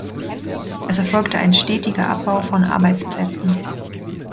Es erfolgte ein stetiger Abbau von Arbeitsplätzen.